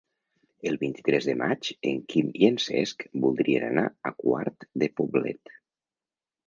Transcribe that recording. El vint-i-tres de maig en Quim i en Cesc voldrien anar a Quart de Poblet.